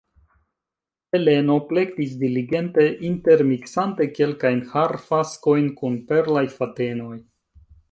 Heleno plektis diligente, intermiksante kelkajn harfaskojn kun perlaj fadenoj.